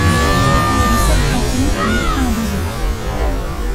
De cette rencontre naîtra un bébé.